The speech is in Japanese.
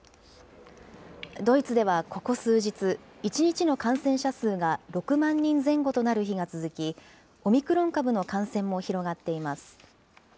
ドイツではここ数日、１日の感染者数が６万人前後となる日が続き、オミクロン株の感染も広がっています。